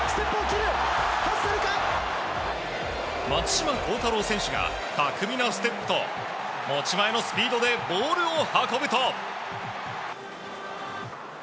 松島幸太朗選手が巧みなステップと持ち前のスピードでボールを運ぶと。